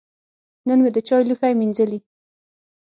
نن مې د چای لوښی مینځلي.